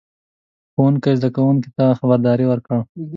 ښوونکي زده کوونکو ته خبرداری ورکړ.